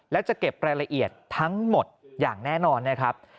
และจะเก็บรายละเอียดทั้งหมดอย่างแน่นอนนะครับ